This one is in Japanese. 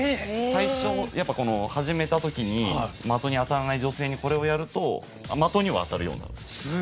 最初やっぱ始めた時に的に当たらない女性にこれをやると的には当たるようになるんです。